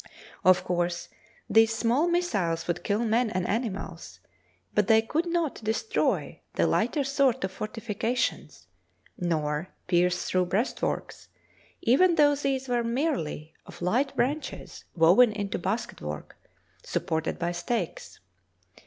Of course, these small missiles would kill men and animals, but they could not destroy the lighter sort of fortifications nor pierce through breastworks, even though these were merely of light branches woven into basket work supported by stakes.